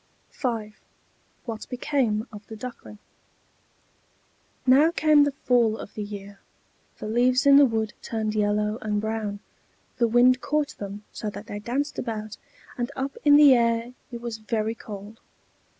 V WHAT BECAME OF THE DUCKLING Now came the fall of the year. The leaves in the wood turned yellow and brown; the wind caught them so that they danced about, and up in the air it was very cold.